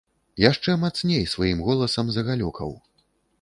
Яшчэ мацней сваім голасам загалёкаў.